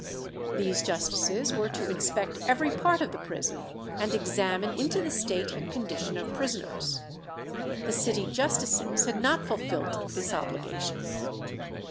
These justices were to inspect every part of the prison, and examine into the state and condition of prisoners. The city justices had not fulfilled this obligation.